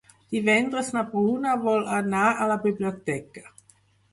Divendres na Bruna vol anar a la biblioteca.